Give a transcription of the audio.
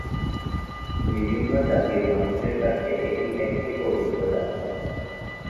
বিভিন্ন জাতির মানুষের কাছে এটি একটি পবিত্র যাত্রা।